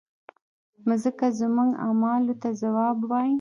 مځکه زموږ اعمالو ته ځواب وایي.